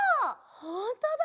ほんとだ！